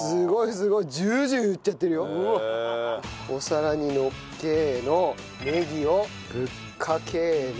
お皿にのっけえのねぎをぶっかけえの。